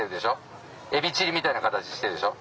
エビチリみたいな形してるでしょ。